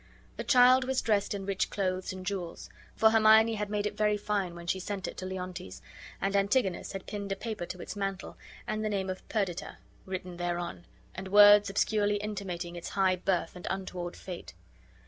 The child was dressed in rich clothes and jewels; for Hermione had made it very fine when she sent it to Leontes, and Antigonus had pinned a paper to its mantle, and the name of "Perdita" written thereon, and words obscurely intimating its high birth and untoward fate.